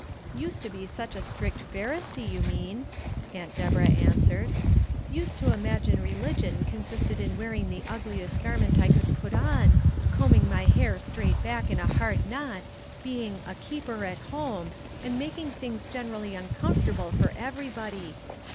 "Used to be such a strict Pharisee, you mean," Aunt Deborah answered; "used to imagine religion consisted in wearing the ugliest garment I could put on, combing my hair straight back in a hard knot, being 'a keeper at home,' and making things generally uncomfortable for everybody.